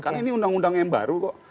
karena ini undang undang yang baru kok